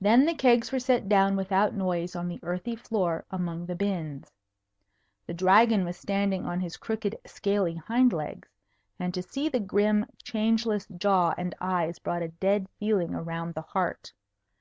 Then the kegs were set down without noise on the earthy floor among the bins. The Dragon was standing on his crooked scaly hind legs; and to see the grim, changeless jaw and eyes brought a dead feeling around the heart.